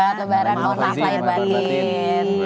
selamat lebaran maaf maafan